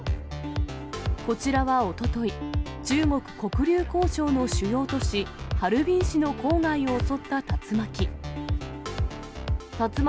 こちらはおととい、中国・黒竜江省の主要都市、ハルビン市の郊外を襲った竜巻。